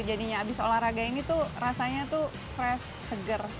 jadinya abis olahraga ini tuh rasanya tuh fresh seger